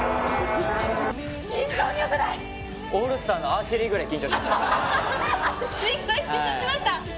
・心臓によくない・アーチェリーぐらい緊張しました？